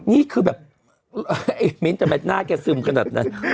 นี่คือแบบไอ้มิ้นทำไมหน้าแกซึมขนาดนั้น